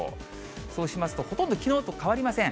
そうしますと、ほとんどきのうと変わりません。